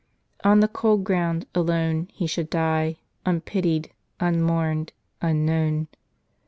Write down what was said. On the cold ground, alone, he should die, unpitied, unmourned, unknown.